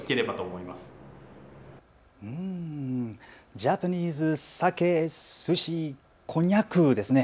ジャパニーズサケ、すし、こんにゃくですね。